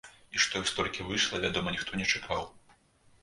І што іх столькі выйшла, вядома, ніхто не чакаў.